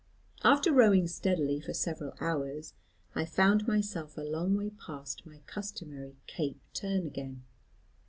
"After rowing steadily for several hours, I found myself a long way past my customary Cape Turn again.